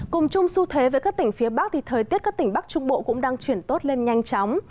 cùng chung su thế với các tỉnh phía bắc thì thời tiết các tỉnh bắc trung bộ cũng đang chuyển tốt lên nhanh chóng